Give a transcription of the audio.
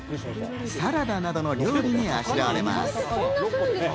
サラダなどの料理にあしらわれます。